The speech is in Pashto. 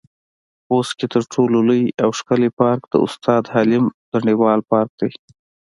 خوست کې تر ټولو لوى او ښکلى پارک د استاد حکيم تڼيوال پارک دى.